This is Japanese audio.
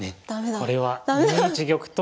これは２一玉と。